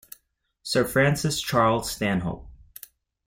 Sir Francis Charles Stanhope.